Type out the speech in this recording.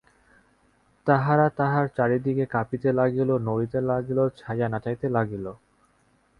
তাহারা তাঁহার চারি দিকে কাঁপিতে লাগিল, নড়িতে লাগিল, ছায়া নাচাইতে লাগিল।